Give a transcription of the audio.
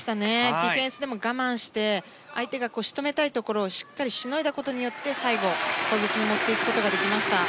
ディフェンスでも我慢して相手が仕留めたいところをしっかりしのいだことによって最後、攻撃に持っていくことができました。